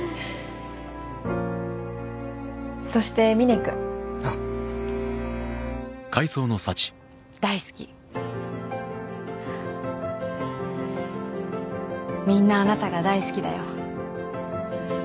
そしてみね君あっ大好きみんなあなたが大好きだよ